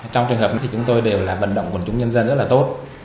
trong trường hợp thì chúng tôi đều là vận động quần chúng nhân dân rất là tốt